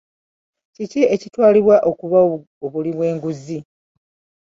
Kiki ekitwalibwa okuba obuli bw'enguzi?